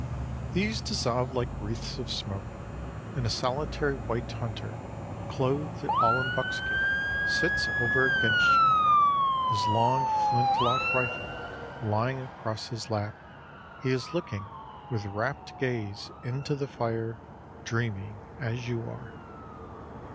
These dissolve like wreaths of smoke, and a solitary white hunter, clothed all in buckskin, sits over against you. His long flint lock rifle lying across his lap, he is looking with rapt gaze into the fire, dreaming as you are.